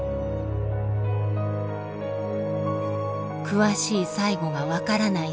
詳しい最期が分からない